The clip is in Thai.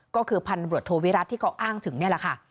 ก็คือพันตรวจโทวิรัติที่เขาอ้างถึงนี่แหละค่ะ